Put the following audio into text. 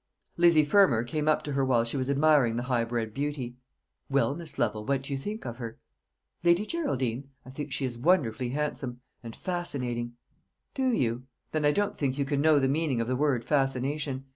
Lizzy Fermor came up to her while she was admiring the high bred beauty. "Well, Miss Lovel, what do you think of her?" "Lady Geraldine? I think she is wonderfully handsome and fascinating." "Do you? Then I don't think you can know the meaning of the word 'fascination.'